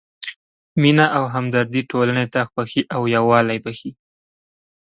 مینه او همدردي ټولنې ته خوښي او یووالی بښي.